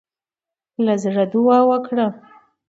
له زړۀ دعا وکړه.